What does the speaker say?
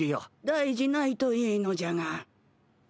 大事ないといいのじゃが。